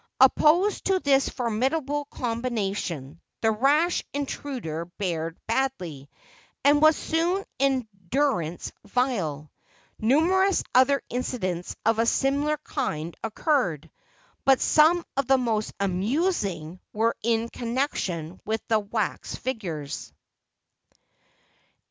Opposed to this formidable combination, the rash intruder fared badly, and was soon in durance vile. Numerous other incidents of a similar kind occurred; but some of the most amusing were in connection with the wax figures.